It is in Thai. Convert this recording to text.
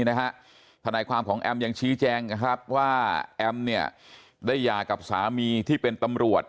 ดฐนาความของแอมยังชี้แจงว่าแอมได้ยากับสามีที่เป็นตำรวจ